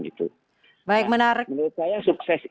menurut saya sukses ini